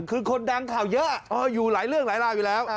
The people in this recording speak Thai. คือคนดังข่าวเยอะอยู่หลายเรื่องหลายราวอยู่แล้ว